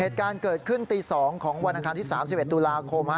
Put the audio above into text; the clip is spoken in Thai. เหตุการณ์เกิดขึ้นตี๒ของวันอังคารที่๓๑ตุลาคม